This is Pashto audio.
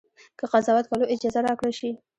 که قضاوت کولو اجازه راکړه شي.